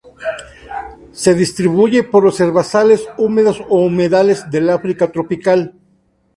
Se distribuye por los herbazales húmedos o humedales del África tropical.